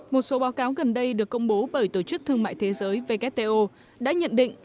một số báo cáo gần đây được công bố bởi tổ chức thương mại thế giới wto đã nhận định